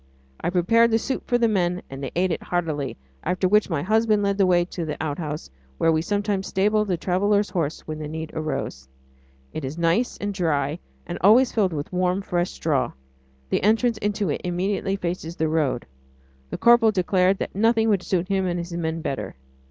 I prepared the soup for the men and they ate it heartily, after which my husband led the way to the outhouse where we sometimes stabled a traveller's horse when the need arose. It is nice and dry, and always filled with warm, fresh straw. The entrance into it immediately faces the road; the corporal declared that nothing would suit him and his men better.